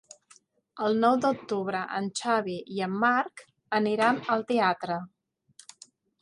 El nou d'octubre en Xavi i en Marc aniran al teatre.